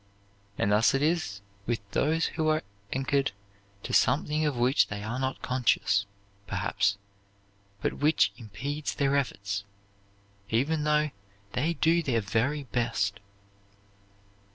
And thus it is with those who are anchored to something of which they are not conscious, perhaps, but which impedes their efforts, even though they do their very best.